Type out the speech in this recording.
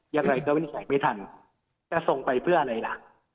อย่างไรก็วิแขกไม่ทันแต่ส่งไปเพื่ออะไรล่ะ